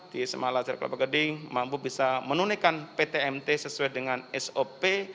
di semala sekolah kepak gading mampu bisa menunikan pt mt sesuai dengan sop